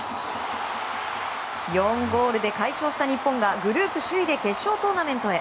４ゴールで快勝した日本がグループ首位で決勝トーナメントへ。